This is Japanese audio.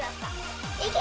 いけ！